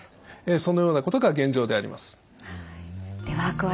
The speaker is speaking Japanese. そのようなことが現状であります。